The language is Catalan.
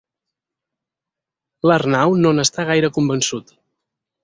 L'Arnau no n'està gaire convençut.